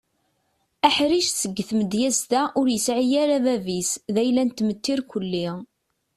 Aḥric seg tmedyaz-a ur yesɛi ara bab-is d ayla n tmetti irkeli.